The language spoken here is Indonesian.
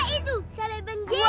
ini dari berapa itu